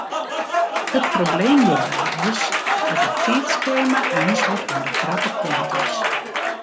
It probleem hjirby is dat it tiidskema eins wat oan de krappe kant is.